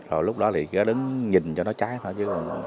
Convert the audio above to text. rồi lúc đó thì cứ đứng nhìn cho nó cháy thôi